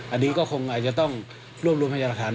อันนี้ก็คงอาจจะต้องรวบรวมพยาหลักฐาน